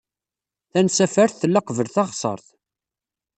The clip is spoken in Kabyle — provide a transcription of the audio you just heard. Tansafart tella qbel taɣsart.